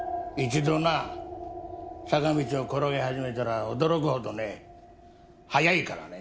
一度な坂道を転げ始めたら驚くほどね早いからね。